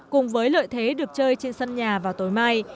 cùng với lợi thế được chơi trên sân nhà vào tối mai